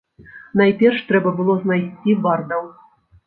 Найперш трэба было знайсці бардаў.